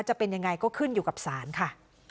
จะเป็นยังไงก็ขึ้นอยู่กับศาลค่ะ